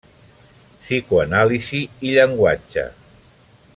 Psicoanàlisi i llenguatge.